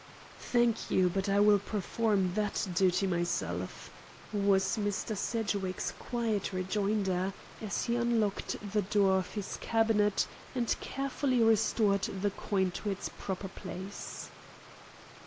"Thank you, but I will perform that duty myself," was Mr. Sedgwick's quiet rejoinder, as he unlocked the door of his cabinet and carefully restored the coin to its proper place.